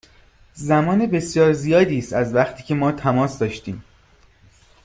زمان بسیار زیادی است از وقتی که ما تماس داشتیم.